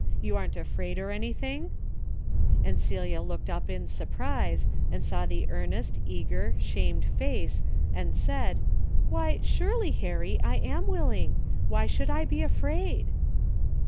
You aren't afraid or anything ?" and Celia looked up in surprise, and saw the earnest, eager, shamed face and said, " Why surely, Harry, I am willing. Why should I be afraid?"